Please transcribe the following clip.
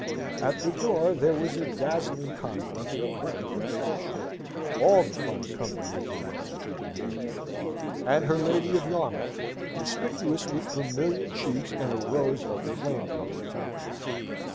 At the door there was a dazzling conflux of rank and fashion all the fine company of the Wells trooping in; and her ladyship of Yarmouth, conspicuous with vermilion cheeks, and a robe of flame coloured taffeta.